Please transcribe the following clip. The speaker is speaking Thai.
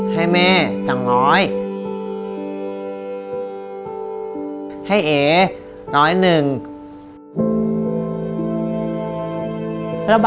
ให้แม่สั่งร้อย